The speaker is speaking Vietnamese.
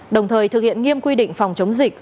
đồng thời thực hiện nghiêm quy định phòng chống dịch